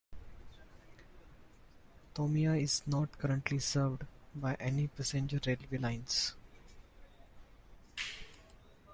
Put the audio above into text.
Tomiya is not currently served by any passenger railway lines.